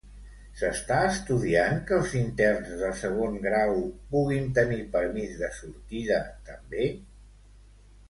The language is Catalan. S'està estudiant que els interns de segon grau puguin tenir permís de sortida també?